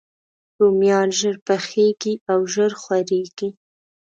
رومیان ژر پخیږي او ژر خورېږي